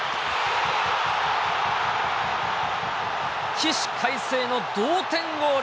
起死回生の同点ゴール。